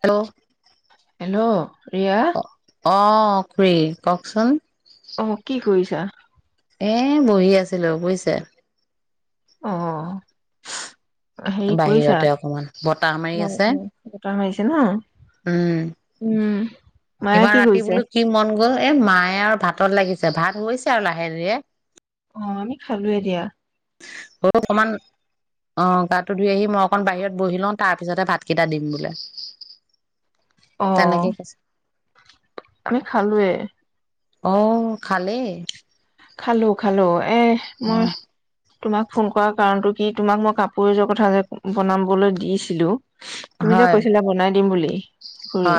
Hello hello Riya অঁ খুুৰী কওঁকচোন অঁ কি কৰিছা এ বহি আছিলো বুয়িছে অহ বাহিৰতে অকমান বতাহ অ মাৰি আছে অ বতাহ মাৰিছে ন উম উম, মায়ে এইবাৰ কি ৰাতি কৰিছে বোলো কি মন গ'ল এ মায়ে আৰু ভাতত লাগিছে ভাত হৈছে আৰু লাহে ধীৰে অ আমি খালো দিয়া অ অকমান অ গাটো ধুই আহি মই অকণ বাহিৰত বহি লওঁ তাৰপিছতে ভাতকেইটা দিম বোলে অহ তেনেকে কৈছে আমি খালোয়ে অহ খালে খালো খালো এ মই তোমাক ফোন কৰা কাৰণটো কি তোমাক মই কাপোৰ এযোৰ কথা যে বনাবলৈ দিছিলো তুমি যে হয় কৈছিলা বনাই দিম বুলি উ হয়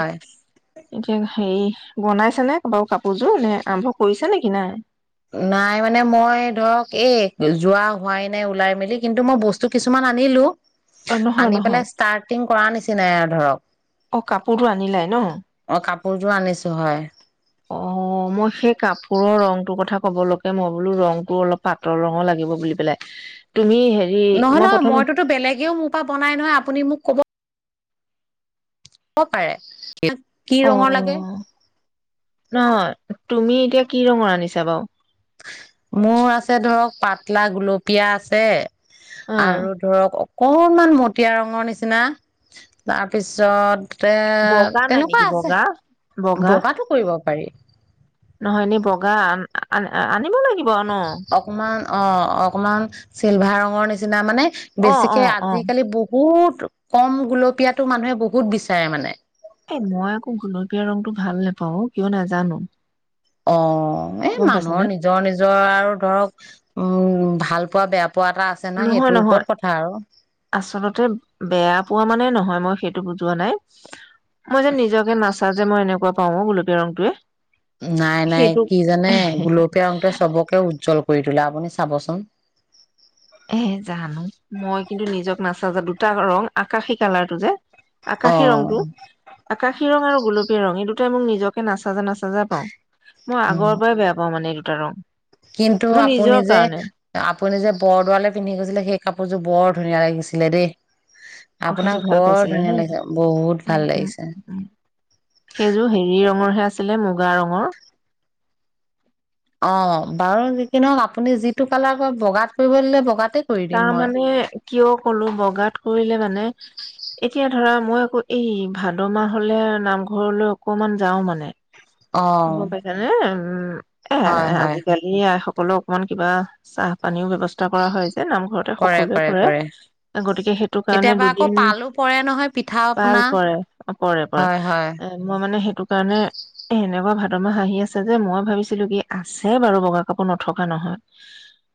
এতিয়া হেৰি বনাইছে নে বাৰু কাপোৰযোৰ নে আৰম্ভ কৰিছে নেকি নাই নাই মানে মই ধৰক এই যোৱা হোৱাই নাই ওলাই মেলি কিন্তু মই বস্তু কিছুমান আনিলো অ নহয় আনি নহয় পেলাই ষ্টাৰ্টিং কৰা নিচিনাই ধৰক অ কাপোৰটো আনিলাই ন অ কাপোৰযোৰ আনিছো হয় অ মই সেই কাপোৰৰ ৰংটোৰ কথা কবলৈকে মই বোলো ৰং টো অলপ পাতল ৰঙৰ লাগিব বুলি পেলাই তুমি হেৰি নহয় মই নহয় প্ৰথম মইতোতো বেলেগেও মোৰ পৰা বনাই নহয় আপুনি মোক ক'ব কব পাৰে কি ৰঙৰ লাগে অ' নহয় তুমি এতিয়া কি ৰঙৰ আনিছা বাও মোৰ আছে ধৰক পাতলা গুলপীয়া আছে অ' আৰু ধৰক অকণমান মতিয়া ৰঙৰ নিচিনা তাৰপিছত এ বগা নাই তেনেকুৱা নেকি আছে বগা বগাটো কৰিব পাৰি নহয়নে বগা আ আ আনিব লাগিব ব ন অকমান অ অকমান চিলভাৰ ৰঙৰ নিচিনা মানে অ' বেছিকে অ' অ' আজিকালি বহুত কম গোলপীয়াটো মানুহে বহুত বিচাৰে মানে এ মই আকৌ গুলপীয়া ৰংটো ভাল নেপাওঁ অ কিয় নাজানো। অ। অ এ গম মানুহৰ পাইছানে নিজৰ নিজৰ আৰু ধৰক উম ভাল পোৱা বেয়া পোৱা এটা আছে নহয় সেইটোৰ ওপৰত নহয়, কথা আৰু। আচলতে বেয়া। পোৱা মানে নহয়, মই সেইটো বুজোৱা নাই। মই যদি নিজকে নাচাযে। মই এনেকুৱা কওঁ, গুলপীয়া ৰংটোৱে। নাই নাই, সেইটো কি জানে? গুলপীয়া ৰংটোৱে চবকে উজ্জ্বল কৰি তোলে, আপুনি চাবচোন। এ জানো মই কিন্তু নিজক নাচাজা। দুটা ৰং আকাশী কালাৰটো যে, আকাশী অ', ৰংটো। আকাশী ৰং আৰু গোলপীয়া ৰং এই দুটাই মোক নিজকে নাচাজে নাচাজে পাও, মই উম, আগৰ পৰাই বেয়া পাওঁ মানে এই দুটা ৰং। কিন্তু মোৰ আপুনি নিজৰ যে, কাৰণে আপুনি যে বৰদোৱালে পিন্ধি গৈছিলে। সেই কাপোৰযোৰ বৰ ধুনীয়া লাগিছিলে দেই! অ' আপোনাক সেইযোৰ ভাল বৰ পাইছিলা ধুনীয়া ন? লাগিছে বহুত ভাল উম উম লাগিছে। উম সেইযোৰ হেৰিয়ৰ। ৰঙৰ হে আছিলে, মুগা ৰঙৰ। অ বাৰু যি কি নহওক আপুনি যিটো কালাৰ, বগাত কৰিব দিলে বগাতে কৰি দিম তাৰ মই। মানে, কিয় কলো, বগাত কৰিলে মানে এতিয়া ধৰা মই আকৌ এই ভাদ মাহ হলে নামঘৰলৈ অকমান যাও মানে। অ গম পাইছা নে? উম এ হয় হয় আজিকালি আই স সকলক অকমান কিবা, চাহ পানীও ব্যৱস্থা কৰা হয়। নামঘৰতে সকলোৱে কৰে, গতিকে সেইটো কাৰণে কেতিয়াবা আকৌ দুদিন পালো পৰে নহয় পিঠা পাল আপনা পৰে, পৰে-পৰে হয় হয় এ মই মানে সেই সেটো কাৰণে সেনে কোৱা ভাদ মাহ আহি আছে যে, মই ভাবিছিলো কি আছে বাৰু বগা কাপোৰ, নথকা নহয়।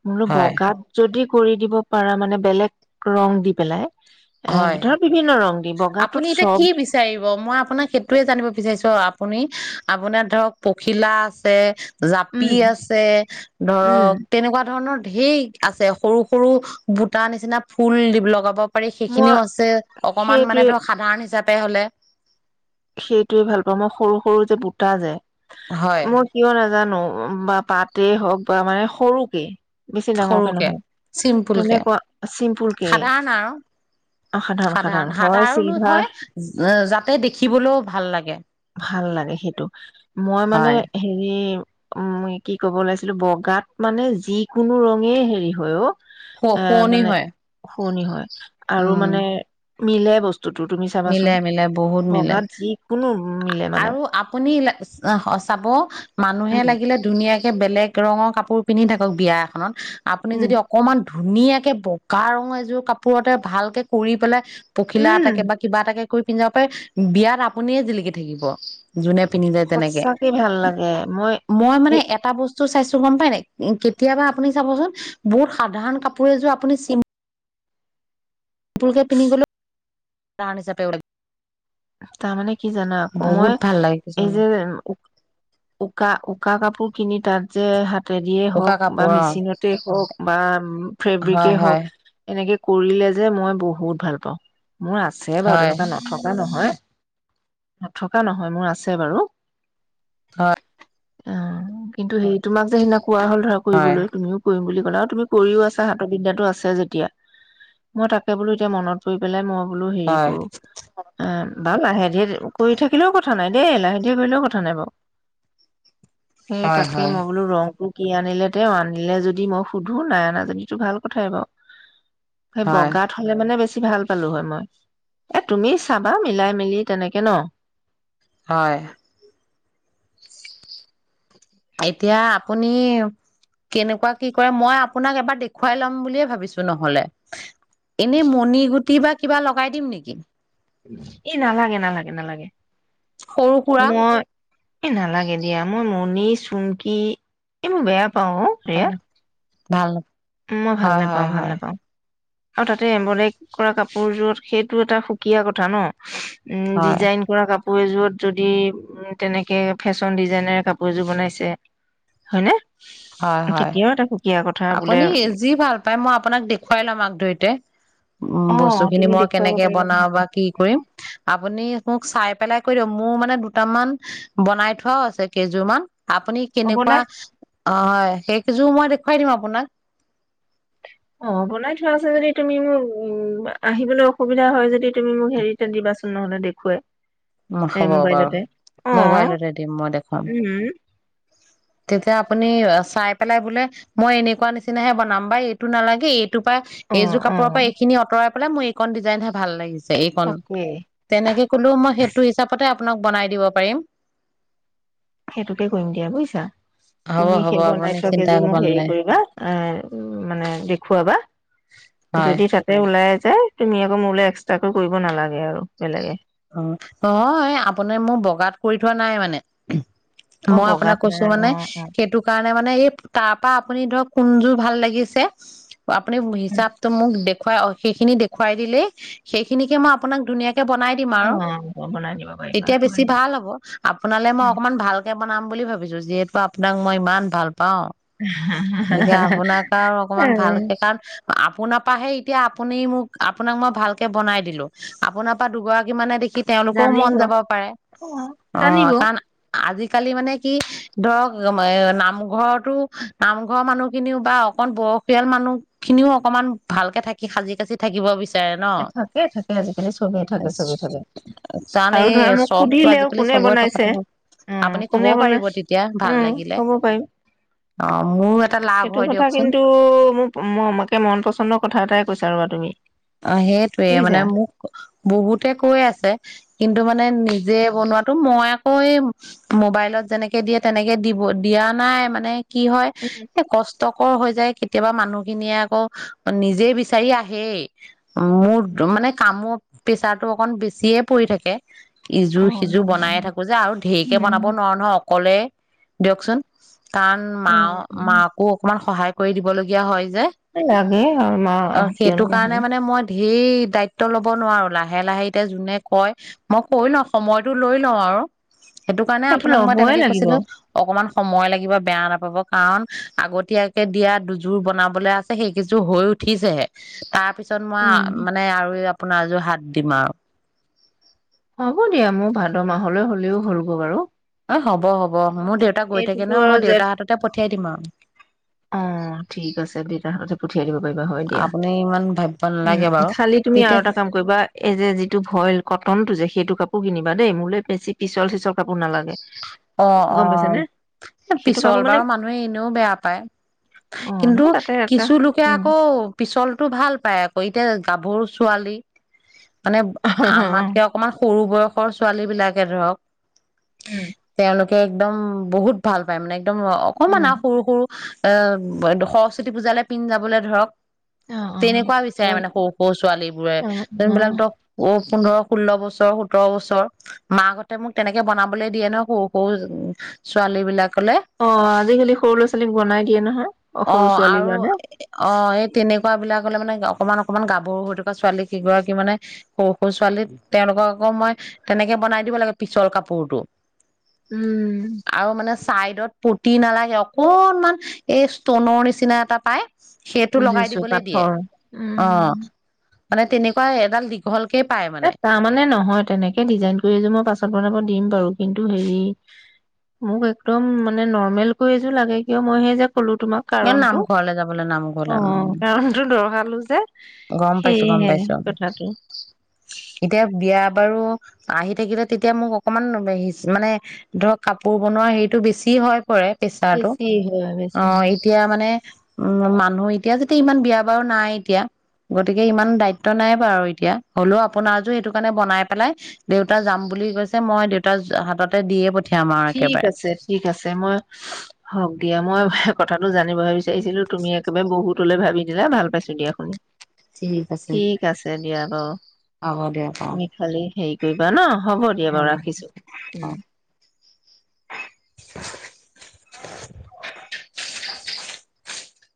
মই বোলো হয় বগাত যদি কৰি দিব পাৰা মানে বেলেগ ৰং দি পেলাই এ হয় ধৰ বিভিন্ন ৰং। দি বগাটোত আপুনি এতিয়া চব কি বিচাৰিব? মই আপোনাক সেইটোয়ে জানিব বিচাৰিছো, আপুনি আপোনাৰ ধৰক পখিলা আছে জাপি উম আছে, উম ধৰক তেনেকুৱা ধৰণৰ ঢেই আছে, সৰু, সৰু বুটা নিচিনা ফুল দি লগাব পাৰি মই সেইখিনিও আছে। অকণমান মানে সেইটোৱে ধৰক সাধাৰণ হিচাপে হ'লে সেইটোয়ে ভাল পাওঁ মই, সৰু সৰু যে বুটা যে হয় মই কিয় নাজানো? বা পাতে হওঁক বা মানে সৰুকে বেছি ডাঙৰকে সৰুকে, নহয় চিম্পুলকে, তেনেকুৱা চিম্পুল কে সাধাৰণ আৰু সাধাৰণ সাধাৰণ হয়, যাতে দেখিবলৈও ভাল লাগে ভাল লাগে সেইটো, মই মানে হয় হেৰি এ' উম, মই কি ক'ব ওলাইছিলো, বগাত মানে যিকোনো ৰঙে হেৰি হয় অ' শু শুৱনি হয়। পুৰণি হয়। আৰু উম মানে মিলে বস্তু মিলে মিলে বহুত মিলে। কুল আৰু আপুনি চাব মানুহে উম লাগিলে ধুনীয়াক কে বেলেগ ৰঙৰ কাপোৰ পিন্ধি থাকক বিয়া এখনত আপুনি উম যদি অকমান ধুনীয়া একে বগা ৰঙ এযোৰ কাপোৰতে ভালকে কৰি পেলাই পখিলা উম এটাকে বা কিবা এটাকে কৰি পিনি যাব পাৰ, বিয়াত আপুনিয়ে জিলিক থাকিব যোনে সচাকে ভাল লাগে, মই এহ টো গম পাই ন, কেতিয়াবা আপুনি চাবচোন বহুত সাধাৰণ কাপোৰ এযোৰ আপুনি ছিম্ পুলকে পিন্ধি গলেও। [unintelligible] তাৰমানে কি জানা আকৌ মই বহুত ভাল লাগে এই কিছুমানে যে উকা উ উকা কাপোৰ কিনি তাত যে হাত তেদিয়ে উকা হওক বা কাপোৰ মেচিনতে হওক বা অ হয় ফেব্ৰিকে হওক এনেকে কৰিলে যে মই বহুত ভাল পাওঁ। মোৰ আছে বাৰু হয় তেনেকুৱা নথকা ন হয়। নথকা নহয় মোৰ আছে বাৰু। হয়। অ', কিন্তু সেই তোমাক যে সিদিনা কোৱা হ'ল ধৰা হয় কৰিবলৈ তুমিও কৰিম বুলি লা আৰু তুমি কৰিও আছা, হাতৰ বিদ্যাটো আছে যেতিয়া, মই তাকে বোলো এতিয়া মনত পৰি পেলাই মই বোলো হয় হেৰি হয় কৰোঁ। বাৰ লাহে ধীৰে কৰি থাকিলেও কথা নাই দেই, লাহে ধীৰে কৰিলেও কথা নাই বাৰু। সেই হয় তাকে হয় মই বোলো ৰংটো কি আনিলে তেওঁ আনিলে যদি মই সুধো নাই আনা যদিটো ভাল কথাই বাৰু। সেই হয় বগাত হ'লে মানে বেছ ভাল পালোঁ হয় মই, এ তুমি চাবা মিলাই মিলি তেনেকে ন'। হয়। এতিয়া আপুনি কেনেকুৱা কি কৰে মই আপোনাক এবাৰ দেখুৱাই ল'ম বুলিয়ে ভাবিছো নহলে, এনে মণি গুটি বা কিবা লগাই দিম নেকি? এই নালাগে, নালাগে, নালাগে। সৰু সুৰা মই এই নালাগে দিয়া, মই মনি চুমকি এই মোৰ বেয়া পাওঁ অ', এয়া। ভাল। মই ভাল হয় নেপাওঁ হয় ভাল হয় নেপাওঁ। আৰু তাতে এমব্ৰলেক কৰা কাপোৰ যোৰত সেইটো এটা সুকীয়া কথা ন। উম হয় ডিজাইন কৰা কাপ পোৰ যোৰত যদি তেনেকে ফেশ্বন ডিজাইনে কাপোৰ এযোৰ বনাইছে হয়নে? হয় হয় তেতিয়াও এটা সুকীয়া কত থা আপুনি বোলেম। যি ভাল পায় মই আপোনাক দেখুৱাই লম আগ ধৰিতে, উম অ বস্তুখিনি তুমি মই দেখুৱাব কেনেকে পাৰিবা বনাও জনাব বা কি কৰিম। আপুনি মোক চাই পেলাই কৈ দিয়ক মোৰ মানে দুটামান বনাই থোৱাও আছে কেইযোৰ মান। আপুনি অ কেনেকুৱা বনাই অ হয় সেইকেইযোৰ মই দেখ খুৱাই দিম আপোনাক। অ বনাই থোৱা আছে যদি তুমি মোক উম আহিবলৈ অসুবিধা হয় যদি তুমি মোক হেৰিতে দিবাচোন নহ'লে দেখুৱাই। এই হব বাৰু মোবাইলতে অ মোবাইলতে দিম মই দেখুৱাম। উম তেতিয়া আপুনি নিয় চাই পেলাই বোলে মই এনেকুৱা নিচিনে বনাম বা এইটো নালাগে এইট টো পাই অ এইযোৰ অ কাপোৰৰ পৰা এইখিনি অতৰাব বোলে মোৰ এইখন ডিজাইন হে ভাল লাগিছে। এইকন, তাকেই তেনেকে কলেও মই সেই আপোনাক বনাই দিব পাৰিম। সেইটোকে কৰিম দিয়া বুজিছা। হ'ব তুমি হ'ব সেই বনাই আপুনি থোৱা চিন্তা কেইযোৰ কৰিব মোক হেৰি নালাগে কৰিবা এহ মানে দেখুৱাবা, হয় যদি তাতে ওলাই যে তুমি আকৌ মোৰলৈ এক্সট্ৰাকৈ কৰিব নালাগে আৰু বেলেগে উম, নহয় আপোনাৰ মোৰ বগাত কৰি থোৱা নাই মানে। অ মই আপোনাক বগাত কৈছো নাই অ মানে অ সেইটো কাৰণে মানে এই তাৰ পৰা আপুনি ধৰক কোনজোৰ ভাল লাগিছে আপোনি হিচাপটো মোক দে খুৱাই সেইখিনি দেখুৱাই দিলেই সেইখিনিকে মই আপোনাক ধুনীয়াকে বনাই উম, অ বনাই দিব পাৰিবা তেতিয়া হয় বেছি দিয়া ভাল হ'ব আপোনালৈ মই উম। অকমান ভালকে বনাম বুলি ভাবিছো যিহেতু আপোনাক মই ইমান ভাল পাওঁ গতিকে আপোনাৰ আৰু অকমান ভালকে কাৰণ আপোনাৰ পৰাহে এতিয়া আপুনি মোক আপোনাক মই ভালকে বনাই দিলোঁ, আপোনাৰ পৰা দুগৰাকী কিমানে দেখি কি তেওঁলোকৰও মন জানিব যাব পাৰে অ জানিব অ', কাৰণ আজি আজিকালি মানে কি ধৰক নামঘৰতো নামঘৰৰ মানুহ খিনিও বা অকন বয়সীয়াল মানুহ খিনিও অকমান ভালকে থাকি সাজি-কাজি থাকিব বিচাৰ থাকে, থাকে আজিকালি চবেই থাকে চবে থাকে কাৰণ আৰু এই ধৰা মোক চখটো সুধিলেও আজিকালি কোনে চবৰে বনাইছে থকাটো উম, আপুনি কবও কোনে পাৰিব বনাই তেতিয়া ভাল উম, লাগিলে ক'ব পাৰিম। অ', মোৰো এটা লাভ সেইটো হয় কথা দিয়কচোন কিন্তু মোক-মাকে মন পছন্দৰ কথা এটাই কৈছ তুমি অ', সেইটোয়ে মানে বুজিছা মোক বহুতে কৈ আছে কিন্তু মানে নি যে, বনোৱাতো মই আকৌ এই মোবাইলত যেনেকে দিয়ে তেনেকে দিব-দিয়া নাই মানে কি হয়, উম এই কষ্ট কৰ হৈ যায় কেতিয়াবা মানুহখিনিয়ে আকৌ নিজেই বিচাৰি আহেই। মোৰ মানে কামৰ প্ৰেচাৰটো অকন বেছিয়ে পৰি থাকে। অ ইযোৰ সিজোৰ বনাইে থাকো যে, আৰু ঢেৰকে উম বনাব নোৱাৰো নহয় অকলে। দিয়কচোন। কাৰণ মা, উম মাকো অকণমান সহায় কৰি দিবলগীয়া হয় যে অ সেইটো [unintelligible] কাৰণে মানে মই ভি সেই দায়িত্ব ল'ব নোৱাৰো লাহে, লাহে এতিয়া যোনে কয় মই কৈ লওঁ সময়টো লৈ লওঁ আৰু। সেইটো কাৰণে আপোনাক মই ল'বই তেনেকে লাগিব কৈছিলো অকণমান সময় লাগিব বেয়া নাপাব কাৰণ, আগতীয়াকে দিয়া দুযোৰ বনাবলৈ আছে সেইকেইযোৰ হৈ উঠিছেহে। তাপিছ পিছত উম মই মানে আৰু ইয়াত। আপোনাৰ যোৰ হাত দিম আৰু হ'ব দিয়া মোৰ ভাদ মাহলৈ হ'লেও হলগৈ বাৰু অ হব হ'ব মোৰ দেউতাক গৈ থাকে এইটোতো ন আৰু মই জেঠ দেউতাৰ হাততে পঠিয়াই দিম আৰু অ ঠিক আছে দিই। তাৰ হাততে পঠিয়া। কৰি লব পাৰিবা হয় দিয়া আপুনি ইমান ভাবিব উম নালাগে বাৰু খালি তুমি আৰু তেতিয়া এটা কাম কৰিবা এইজে যিটো ভইল কটনটো যে সেইটো কাপোৰ কিনিব। দেই মোলে বেছি পিছল চিছল অ অ নে? সেইটো পিছল কাপোৰ মানে বাও মানুহে এনেও বেয়া। অ কিন্তু নহয় তাতে এটা কিছু লোকে উম আকৌ পিছলতটো ভাল পায় আকৌ তাই গাভৰু ছোৱালী। মানে আমাতকে অকণমান সৰু। বয়সৰ ছোৱালী বিলাকে ধৰক। উম তেওঁলোকে একদম বহুত ভাল পায় মানে। একদম অকণমান আ উম সৰু সৰু এ সৰস্বতী পূজালৈ পিন্ধ যাবলৈ ধৰক অ অ তেনেকুৱা বিচাৰে হয় মানে সৰু সৰু ছোৱালী বোৰে অ অ যোনবিলাক ধৰক অ পোন্ধৰ ষোল্ল বছৰ সোতৰ বছৰ মাকতে মোক তেনেকে বনাবলে দিয়ে ন সৰু সৰু ছোৱালী বিলাক অ আজিকালি সৰু ল'ৰা ছোৱালীক বনাই দিয়ে নহয়। অ সৰু ছোৱালীৰ আৰু কাৰণে অ এই তেনেকুৱা। বিলাকলে মানে অকনমান অকমান গাভৰু হৈ থকা ছোৱালী কেইগৰাকী মানে সৰু সৰু ছোৱালী তেওঁলোকক আকৌ মই তেনেকে বনাই দিব লাগে পিছল কাপোৰতো উম চাইডত পুতি নালাগে অকনমান এই ষ্টনৰ নিচিনা এটা পায়। সেইটো লগাই বুজিছো দিবলৈ দিয়ে পাথৰ অ উম মানে তেনেকুৱা এডাল দীঘল এ তাৰমানে নহয়। তেনেকে ডিজাইন কৰি এযোৰ মই পাছত বনাব দিম বাৰু কিন্তু হেৰি মোক একদম মানে নৰ্মেল কৰি এযোৰ লাগে কিয় মই সেই যে কলো তোমাক এ কাৰণটো নামঘৰলে যাবলৈ নামঘৰলে অ উম কাৰণটো দহ়ালো যে গম পাইছো গম সেয়হে পাইছো কথাটো এতিয়া বিয়া বাৰু আহি থাকিলে তেতিয়া মোক অকণমান মানে ধৰক কাপোৰ বনোৱা হেৰিতটো বেছি হৈ পৰে। প্ৰেছাৰটো বেছি হয় অ বেছি হয় এতিয়া মানে উম মানুহ এতিয়া যেতিয়া ইমান বিয়া বাৰু নাই এতিয়া গতিকে ইমান দায়িত্ব নাই বাৰু এতিয়া হলেও আপোনা যো সেইটো কাৰণে বনাই পেলাই দেউতা যাম বুলি কৈছে মই দেউতা হাততে দিয়ে পত ঠিক আছে ঠিক আছে মই হওক দিয়া মই কথাটো জানিবহে বিচাৰিছিলো তুমি একেবাৰে বহুতলে ভাবি দিলা ভাল পাইছো দিয়া শুনি ঠিক আছে ঠিক আছে দিয়া বাও হ'ব দিয়ক অ তুমি খালি হেৰি কৰিবা ন হ'ব দিয়া বাৰু ৰাখিছো উম অ [unintelligible]